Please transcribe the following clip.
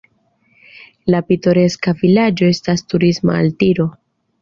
La pitoreska vilaĝo estas turisma altiro.